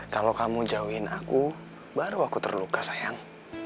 kalau kamu jauhin aku baru aku terluka sayang